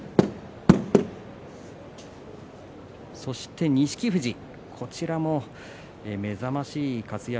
そして、錦富士、こちらも目覚ましい活躍。